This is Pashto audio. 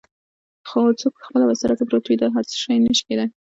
څوک په خپله بستره کې پروت وي دا هر څه نه شي کیدای؟